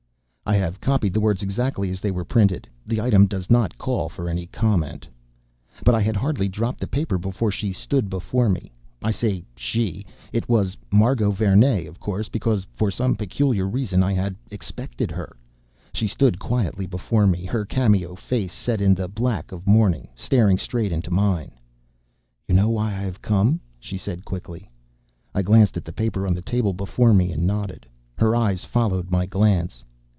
I have copied the words exactly as they were printed. The item does not call for any comment. But I had hardly dropped the paper before she stood before me. I say "she" it was Margot Vernee, of course because for some peculiar reason I had expected her. She stood quietly before me, her cameo face, set in the black of mourning, staring straight into mine. "You know why I have come?" she said quickly. I glanced at the paper on the table before me, and nodded. Her eyes followed my glance.